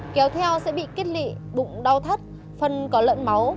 kéo theo sẽ bị kiết lị bụng đau thắt phân có lợn máu